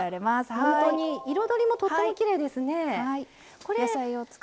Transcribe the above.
ほんとに彩りもとってもきれいですね。